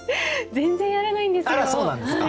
全然やらないんですよ。